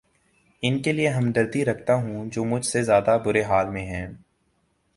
ان کے لیے ہمدردی رکھتا ہوں جو مچھ سے زیادہ برے حال میں ہیں